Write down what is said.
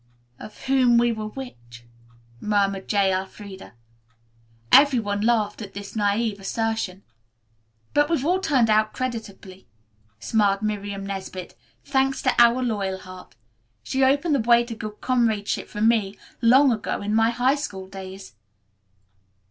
"Of whom we were which," murmured J. Elfreda. Every one laughed at this naive assertion. "But we've all turned out creditably," smiled Miriam Nesbit, "thanks to our Loyalheart. She opened the way to good comradeship for me, long ago, in my high school days."